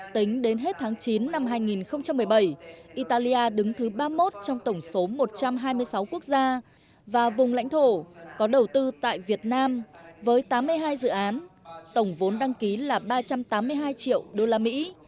tính đến hết tháng chín năm hai nghìn một mươi bảy italia đứng thứ ba mươi một trong tổng số một trăm hai mươi sáu quốc gia và vùng lãnh thổ có đầu tư tại việt nam với tám mươi hai dự án tổng vốn đăng ký là ba trăm tám mươi hai triệu đô la mỹ